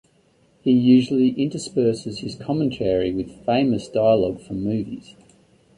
He usually intersperses his commentary with famous dialogue from movies.